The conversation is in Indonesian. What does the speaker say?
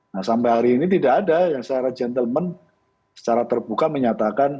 nah sampai hari ini tidak ada yang secara gentleman secara terbuka menyatakan